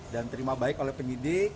dan terima baik oleh penyidik